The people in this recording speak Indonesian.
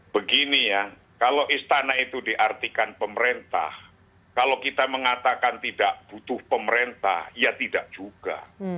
begini ya kalau istana itu diartikan pemerintah kalau kita mengatakan tidak butuh pemerintah ya tidak juga